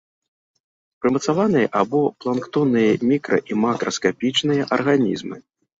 Прымацаваныя або планктонныя мікра- і макраскапічныя арганізмы.